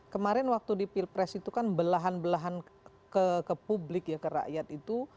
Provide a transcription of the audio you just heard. kemarin waktu di pilpres itu kan belahan belahan ke publik ya ke rakyat itu